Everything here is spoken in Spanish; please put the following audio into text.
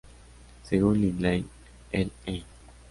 Según Lindley, el "E".